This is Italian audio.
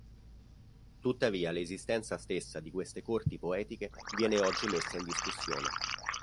Tuttavia l'esistenza stessa di queste corti poetiche viene oggi messa in discussione.